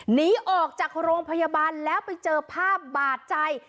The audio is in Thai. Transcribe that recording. หนีออกจากโรงพยาบาลแล้วไปเจอภาพบาดใจ